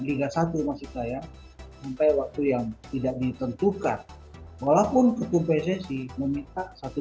waktu masih sayang sampai waktu yang tidak ditentukan walaupun ketua pssi meminta satu